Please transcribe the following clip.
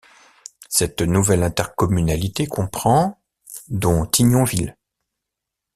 Cette nouvelle intercommunalité comprend dont Thignonville.